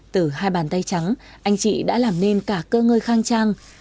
từ hai bàn tay trắng anh chị đã làm nên cả cơ ngơi khang trang